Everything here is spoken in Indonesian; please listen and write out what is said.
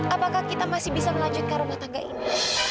apakah kita masih bisa melanjutkan rumah tangga ini